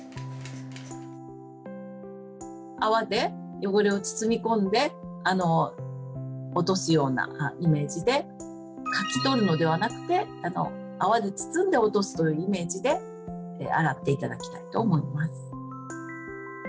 泡で汚れを包み込んで落とすようなイメージでかき取るのではなくて泡で包んで落とすというイメージで洗って頂きたいと思います。